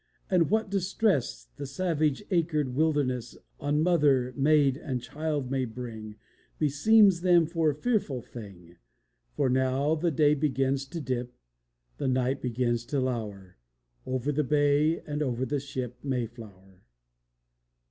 and what distress The savage acred wilderness On mother, maid, and child may bring, Beseems them for a fearful thing; For now the day begins to dip, The night begins to lower Over the bay, and over the ship Mayflower.